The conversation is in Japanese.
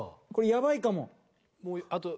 これやばいかも。